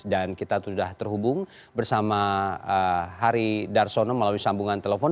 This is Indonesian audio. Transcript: dan kita sudah terhubung bersama harry d arsono melalui sambungan telepon